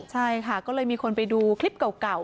ใช่ค่ะก็เลยมีคนไปดูคลิปเก่า